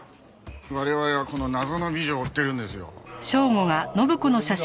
我々はこの謎の美女を追ってるんですよ。